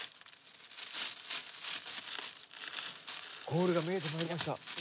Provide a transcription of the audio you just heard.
ゴールが見えてまいりました。